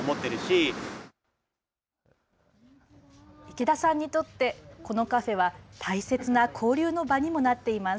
池田さんにとって、このカフェは大切な交流の場にもなっています。